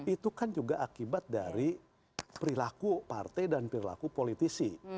itu kan juga akibat dari perilaku partai dan perilaku politisi